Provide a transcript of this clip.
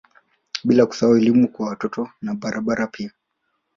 Bila kusahau elimu kwa watoto na barabara pia